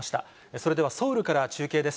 それではソウルから中継です。